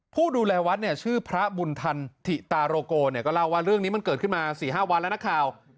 ผู้ดูแลวัดเนี่ยชื่อพระบุญธันถิตาโรโกเนี่ยก็เล่าว่าเรื่องนี้มันเกิดขึ้นมา๔๕วันแล้วนักข่าว